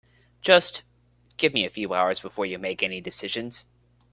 Just give me a few hours before you make any decisions.